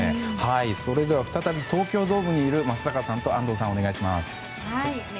では、再び東京ドームの松坂さんと安藤さんお願いします。